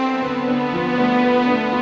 aku juga gak mau